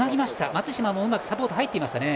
松島もうまくサポート入っていましたね。